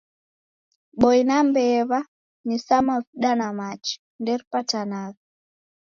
Boi na mbew'a ni sa mavuda na machi; nderipatanagha.